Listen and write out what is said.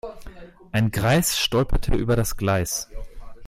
Ein Greis stolperte über das Gleis.